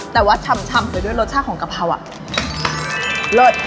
แต่ว่าชำไปด้วยรสชาติของกะเพราอ่ะเลิศ